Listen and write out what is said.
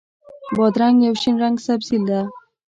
بادرنګ یو شین رنګه سبزي ده.